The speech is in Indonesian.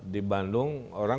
di bandung orang